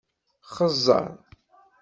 Xeẓẓeṛ!